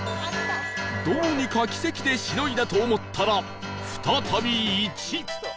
どうにか奇跡でしのいだと思ったら再び「１」